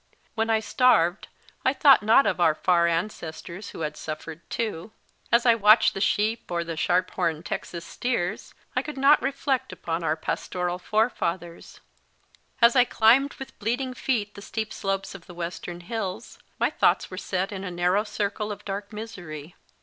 When I starved, I thought not of our far ancestors who had suffered too ; as I watched the sheep or the sharp horned Texas steers, I could not reflect upon our pastoral forefathers ; as I climbed with bleeding feet the steep slopes of the Western hills, my thoughts were set in a narrow circle of dark misery.